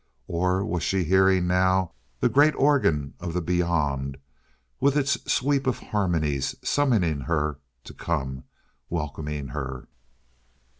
Or was she hearing now the great organ of the Beyond with its sweep of harmonies summoning her to come welcoming her....